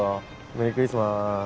メリークリスマス。